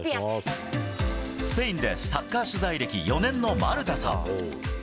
スペインでサッカー取材歴４年のマルタさん。